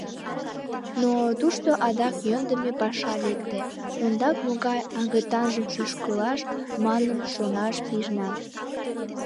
Но тушто адак йӧндымӧ паша лекте: ондак могай агытанжым шӱшкылаш манын, шонаш пижна.